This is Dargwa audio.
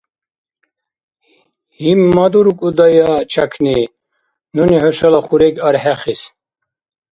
– ГьиммадуркӀудая, чякни, нуни хӀушала хурег архӀехис.